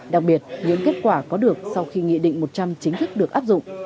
đặc biệt những kết quả có được sau khi nghị định một trăm linh chính thức được áp dụng